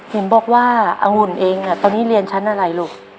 เห็นบอกว่าองุ่นเองตอนนี้เรียนชั้นอะไรลูก